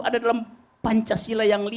ada dalam pancasila yang lima